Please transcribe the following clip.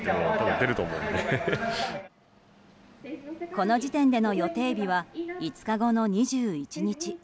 この時点での予定日は５日後の２１日。